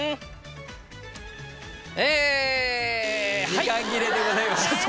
時間切れでございます。